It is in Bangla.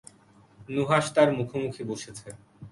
নুহাশ তার মুখোমুখি বসেছে।